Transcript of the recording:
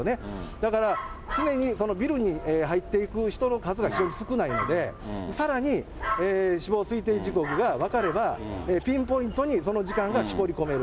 だから、常にビルに入っていく人の数が非常に少ないので、さらに、死亡推定時刻が分かれば、ピンポイントにその時間が絞り込める。